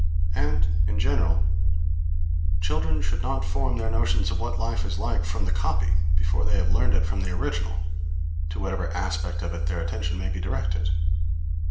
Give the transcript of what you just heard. And, in general, children should not form their notions of what life is like from the copy before they have learned it from the original, to whatever aspect of it their attention may be directed.